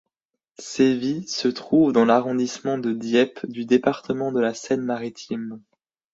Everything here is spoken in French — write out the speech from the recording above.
Sévis se trouve dans l'arrondissement de Dieppe du département de la Seine-Maritime.